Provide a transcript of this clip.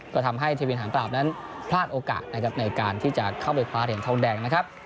ก็ทำให้ทวินหางปราบนั้นพลาดโอกาสนะครับในการที่จะเข้าไปคว้าเหรียญทองแดงนะครับ